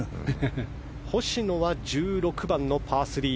星野は１６番のパー３。